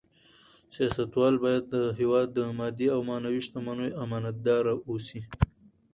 سیاستوال باید د هېواد د مادي او معنوي شتمنیو امانتدار اوسي.